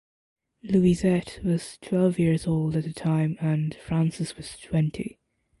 Louisette was twelve years old at the time and Francis was twenty.